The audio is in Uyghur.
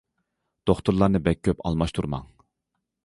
دوختۇرلارنى بەك كۆپ ئالماشتۇرماڭ.